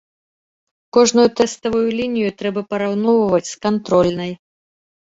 Кожную тэставую лінію трэба параўноўваць з кантрольнай.